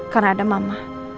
karena ada mama